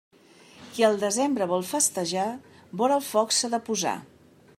Qui al desembre vol festejar, vora el foc s'ha de posar.